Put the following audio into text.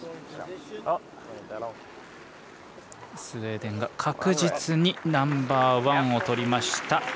スウェーデンが確実にナンバーワンを取りました。